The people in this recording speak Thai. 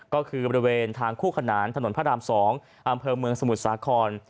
ก็คือบริเวณทางคู่ขนานถนนพระราม๒อำเภอเมืองสมุทรสาคร